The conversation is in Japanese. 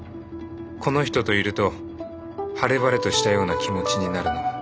この人といると晴れ晴れとしたような気持ちになるのは。